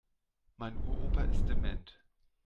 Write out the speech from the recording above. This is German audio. Mein Uropa ist dement.